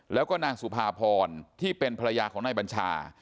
แล้วก็นางสุภาพรที่เป็นภรรยาของนายบัญชา